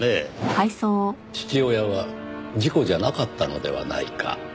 「父親は事故じゃなかったのではないか」